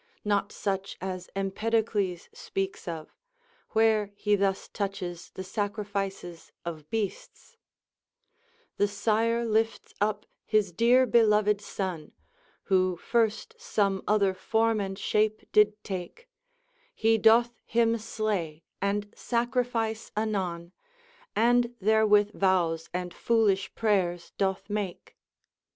•— not such as Empedo OR INDISCREET DEVOTION. 183 cles speaks of, where he thus touches the sacrifices of beasts :— Tlie sire lifts up his dear beloved son, Who first some other form and shape did take ; He doth liim slay and sacrifice anon, And therewith vows and foolish prayers doth make.